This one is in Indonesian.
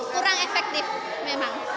kurang efektif memang